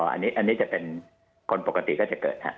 อันนี้จะเป็นคนปกติก็จะเกิดฮะ